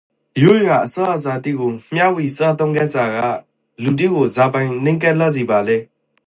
ရိုးရာအစားအစာတိကိုမျှဝီစားသုံးကတ်စွာကလူတိကိုဇာပိုင် နီးကပ်လားဇီပါလဲ?